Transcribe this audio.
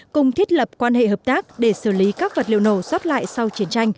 cùng thiết lập quan hệ hợp tác để xử lý các vật liệu nổ sót lại sau chiến tranh